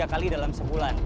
tiga kali dalam sebulan